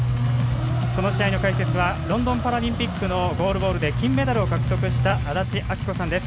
この試合の解説はロンドンパラリンピックのゴールボールで金メダルを獲得した安達阿記子さんです。